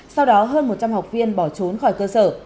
sau đó hơn một trăm linh học viên bỏ trốn khỏi cơ sở